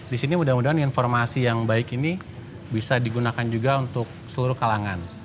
di sini mudah mudahan informasi yang baik ini bisa digunakan juga untuk seluruh kalangan